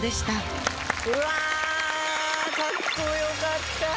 かっこよかった。